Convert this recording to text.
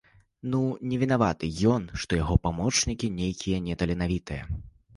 Ну не вінаваты ён, што яго памочнікі нейкія неталенавітыя.